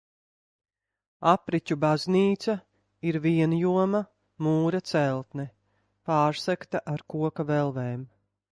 Apriķu baznīca ir vienjoma mūra celtne, pārsegta ar koka velvēm.